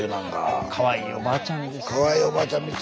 かわいいおばあちゃんですね。